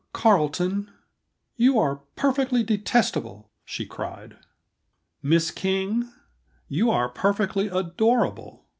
Carleton, you are perfectly detestable!" she cried. "Miss King, you are perfectly adorable!"